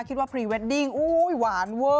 คิดว่าพรีเวดดิ้งอุ้ยหวานเว้อ